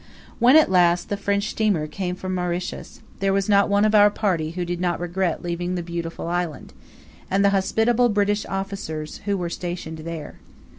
When at last the French steamer came from Mauritius, there was not one of our party who did not regret leaving the beautiful island, and the hospitable British officers who were stationed there.